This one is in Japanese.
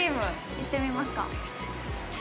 行ってみますか。